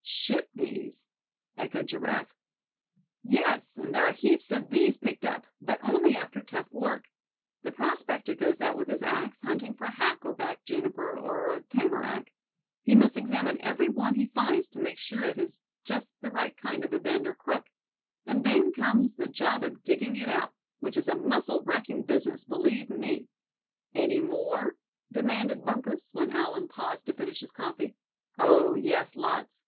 "Ship knees!" echoed Giraffe. "Yes, and there are heaps of these picked up, but only after tough work. The prospector goes out with his axe, hunting for hack or back juniper, or tamarack. He must examine every one he finds to make sure it has just the right kind of a bend or crook; and then comes the job of digging it out, which is a muscle racking business, believe me." "Any more?" demanded Bumpus, when Allen paused to finish his coffee. "Oh! yes, lots.